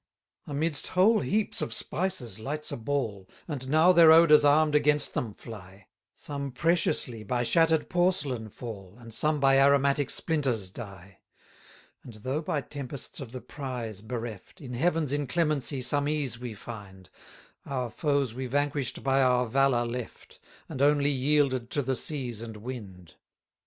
29 Amidst whole heaps of spices lights a ball, And now their odours arm'd against them fly: Some preciously by shatter'd porcelain fall, And some by aromatic splinters die. 30 And though by tempests of the prize bereft, In Heaven's inclemency some ease we find: Our foes we vanquish'd by our valour left, And only yielded to the seas and wind.